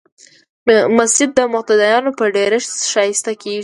مسجد د مقتدیانو په ډېرښت ښایسته کېږي.